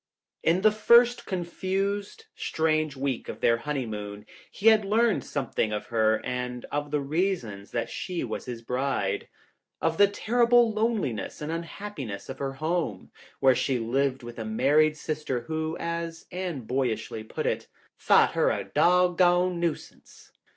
TN the first confused, strange week of their ■*■ honeymoon, he had learned something of her and of the reasons that she was his bride. Of the terrific loneliness and unhappiness of her home, where she lived with a married sister who, as Anne boyishly put it, " thought her a doggone nuisance."